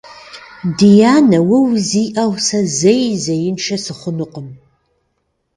Дянэ, уэ узиӀэу сэ зэи зеиншэ сыхъунукъым.